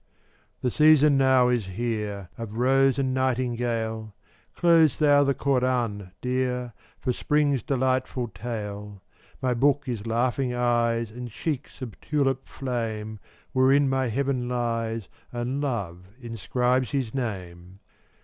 403 The season now is here Of rose and nightingale; Close thou the koran, dear, For spring's delightful tale. My book is laughing eyes And cheeks of tulip flame, Wherein my heaven lies And Love inscribes his name.